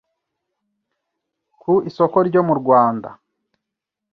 ku isoko ryo mu Rwanda